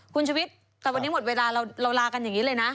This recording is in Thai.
คุณชวิตแต่วันนี้หมดเวลาเราลากันอย่างนี้เลยนะ